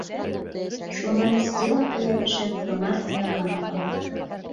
Шунан стенаға йәбешеп һыңар аяғына баҫты.